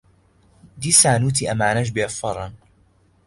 دیسان وتی: ئەمانەش بێفەڕن.